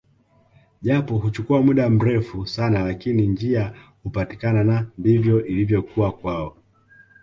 Japo huchukua muda mrefu sana lakini njia hupatikana na ndivyo ilivyokuwa kwao